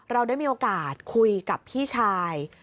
เราได้มีโอกาสคุยกับพี่ชาย